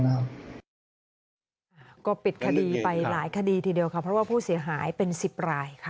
มันแน่ค่ะเพราะว่าผู้เสียหายเป็นสิบรายค่ะ